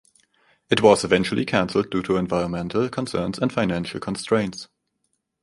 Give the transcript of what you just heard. It was eventually canceled due to environmental concerns and financial constraints.